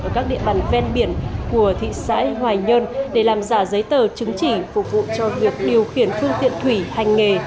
ở các địa bàn ven biển của thị xã hoài nhơn để làm giả giấy tờ chứng chỉ phục vụ cho việc điều khiển phương tiện thủy hành nghề